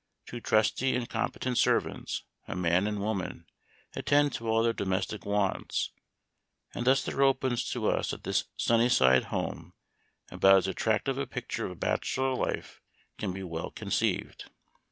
Two trusty and compe tent servants, a man and woman, attend to all their domestic wants ; and thus there opens to us at this " Sunnyside " home about as attract ive a picture of bachelor life as can be well con ceived.